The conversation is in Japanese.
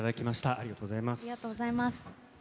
ありがとうございます。